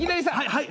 はい。